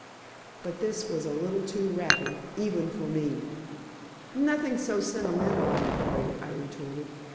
But this was a little too rapid, even for me. "Nothing so sentimental, I'm afraid," I retorted.